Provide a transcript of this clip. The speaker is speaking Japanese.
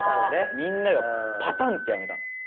みんながパタンとやめたの。